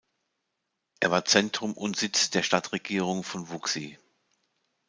Er war Zentrum und Sitz der Stadtregierung von Wuxi.